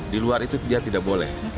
di luar itu dia tidak boleh